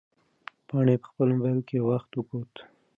پاڼې په خپل موبایل کې وخت وکوت.